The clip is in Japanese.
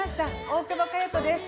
大久保佳代子です。